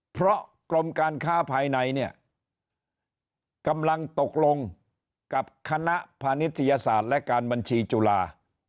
เพราะกรมการค้าภายในเนี่ยกำลังตกลงกับคณะพานิทยาศาสตร์และการบัญชีจุฬา